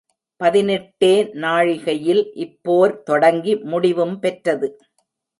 பதினெட்டே நாழிகையில் இப்போர் தொடங்கி முடிவும் பெற்றது.